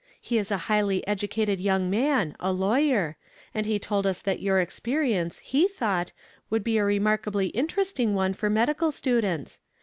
He is a highly edu cated young man, a lawyer ; and he told us that your experience, he thought, would be a remarka bly interesting one for medical students.